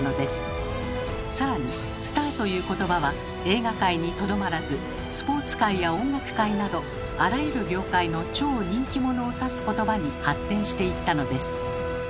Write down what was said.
さらに「スター」という言葉は映画界にとどまらずスポーツ界や音楽界などあらゆる業界の超人気者を指す言葉に発展していったのです。